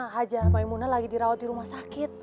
hajah maymunah lagi dirawat di rumah sakit